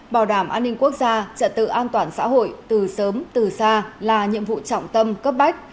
bảo đảm an ninh quốc gia trật tự an toàn xã hội từ sớm từ xa là nhiệm vụ trọng tâm cấp bách